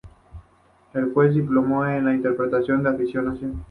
Es juez diplomado en Interpretación y Afinación.